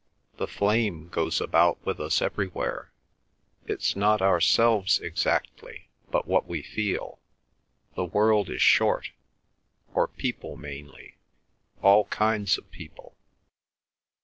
The flame goes about with us everywhere; it's not ourselves exactly, but what we feel; the world is short, or people mainly; all kinds of people."